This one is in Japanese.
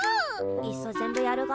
いっそ全部やるが？